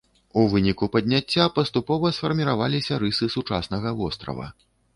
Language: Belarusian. У выніку падняцця паступова сфарміраваліся рысы сучаснага вострава.